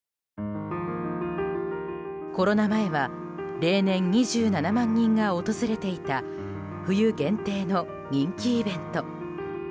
コロナ前は例年２７万人が訪れていた冬限定の人気イベント。